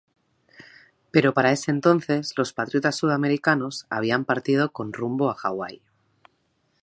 Pero para ese entonces los patriotas sudamericanos habían partido con rumbo a Hawái.